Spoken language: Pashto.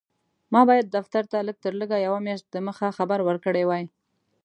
ما باید دفتر ته لږ تر لږه یوه میاشت دمخه خبر ورکړی وای.